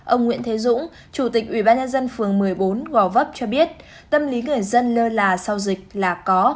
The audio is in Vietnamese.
ông nguyễn thế dũng chủ tịch ủy ban nhân dân phường một mươi bốn gò vấp cho biết tâm lý người dân lơ là sau dịch là có